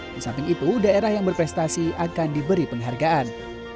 di samping itu daerah yang berprestasi akan diberi penghargaan